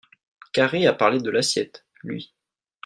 Carré a parlé de l’assiette, lui